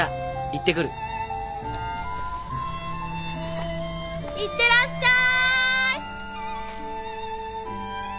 いってらっしゃい！